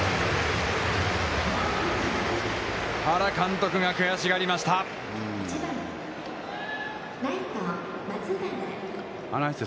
原監督が悔しがりました。